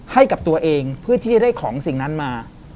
ให้กับตัวเองเพื่อที่จะได้ของสิ่งนั้นมา